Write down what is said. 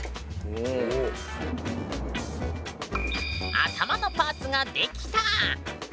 頭のパーツが出来た。